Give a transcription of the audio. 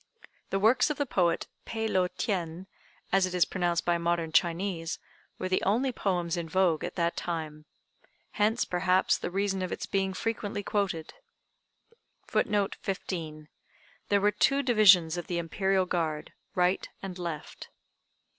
The works of the poet Peh lo tien, as it is pronounced by modern Chinese, were the only poems in vogue at that time. Hence, perhaps, the reason of its being frequently quoted.] [Footnote 15: There were two divisions of the Imperial guard, right and left.